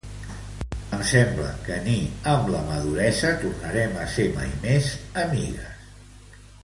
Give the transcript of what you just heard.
Em sembla que ni amb la maduresa tornarem a ser mai més amigues